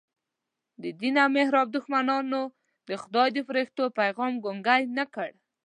د دین او محراب دښمنانو د خدای د فرښتو پیغام ګونګی نه کړ.